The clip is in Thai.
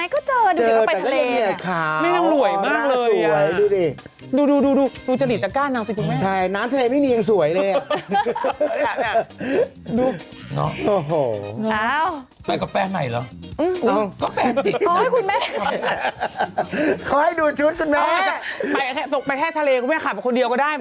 ขอให้ดูชุดคุณแม่เอ้าออกไปแท่ทะเลกูไปขาปคนเดียวกันได้